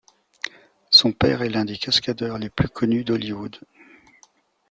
Son père est l'un des cascadeurs les plus connus d'hollywood.